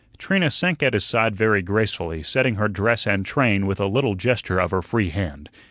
Trina sank at his side very gracefully, setting her dress and train with a little gesture of her free hand.